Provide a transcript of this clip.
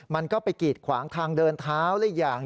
มันก็ไปกีดขวางทางเดินเท้าและอีกอย่าง